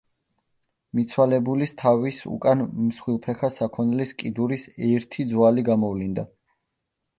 მიცვალებულის თავის უკან მსხვილფეხა საქონლის კიდურის ერთი ძვალი გამოვლინდა.